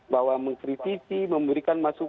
bahwa mengkritisi memberikan masukan